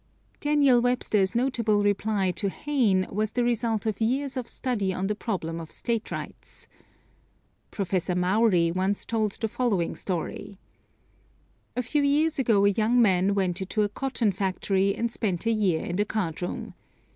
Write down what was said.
Daniel Webster's notable reply to Hayne was the result of years of study on the problem of State Rights. Professor Mowry once told the following story: "A few years ago a young man went into a cotton factory and spent a year in the card room.